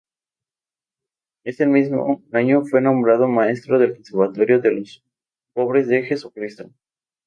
En el mismo año fue nombrado maestro del conservatorio de los pobres de Jesucristo.